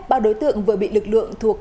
bao đối tượng vừa bị lực lượng thuộc